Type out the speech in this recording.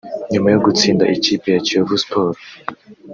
nyuma yo gutsinda ikipe ya Kiyovu Sports